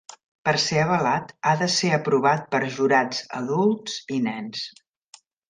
Per ser avalat, ha de ser aprovat per jurats adults i nens.